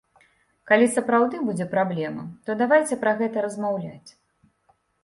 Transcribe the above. Калі сапраўды будзе праблема, то давайце пра гэта размаўляць.